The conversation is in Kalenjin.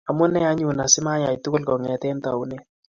Amune anyun asimayai tugul kongetkei taunet